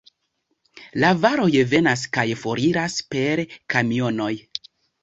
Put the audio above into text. La varoj venas kaj foriras per kamionoj.